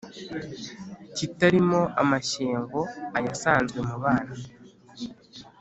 Kitarimo amashyengo Aya asanzwe mu bana.